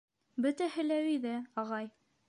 — Бөтәһе лә өйҙә, ағай.